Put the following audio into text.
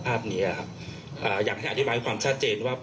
ภาพนี้อยากให้อธิบายความชัดเจนว่า